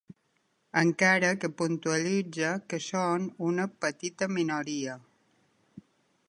Encara que puntualitza que són una ‘petita minoria’.